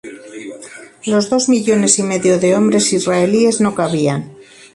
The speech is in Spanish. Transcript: Los dos millones y medio de hombres israelíes no cabían.